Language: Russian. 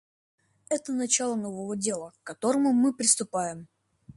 Это начало нового дела, к которому мы приступаем.